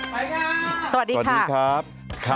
ไปครับสวัสดีครับสวัสดีครับสวัสดีครับ